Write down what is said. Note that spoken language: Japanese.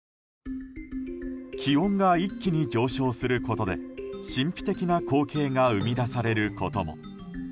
気温が一気に上昇することで神秘的な光景が生み出されることも。